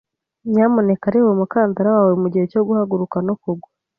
Nyamuneka reba umukandara wawe mugihe cyo guhaguruka no kugwa.